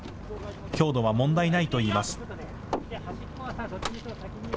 強度は問題ないといいます。